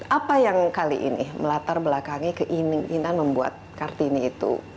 apa yang kali ini melatar belakangi keinginan membuat kartini itu